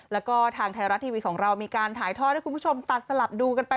แล้วก็ทางไทยรัฐทีวีของเรามีการถ่ายทอดให้คุณผู้ชมตัดสลับดูกันไป